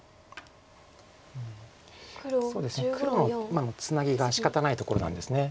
そうですね黒の今のツナギがしかたないところなんです。